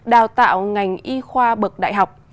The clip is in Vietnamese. đào tạo ngành y khoa bậc đại học